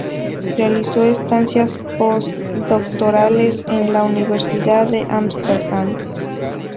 Realizó estancias postdoctorales en la Universidad de Ámsterdam.